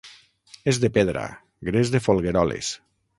És de pedra, gres de Folgueroles.